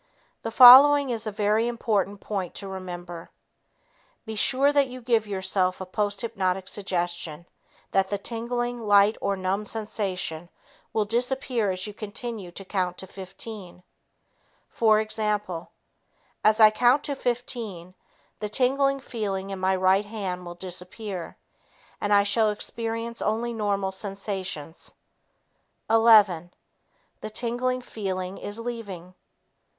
The following is a very important point to remember. Be sure that you give yourself a posthypnotic suggestion that the tingling, light or numb sensation will disappear as you continue to count to 15. For example, "As I count to 15, the tingling feeling in my right hand will disappear, and I shall experience only normal sensations. Eleven ... The tingling feeling is leaving.